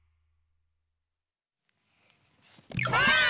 ばあっ！